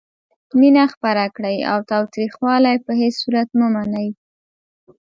مینه خپره کړئ او تاوتریخوالی په هیڅ صورت مه منئ.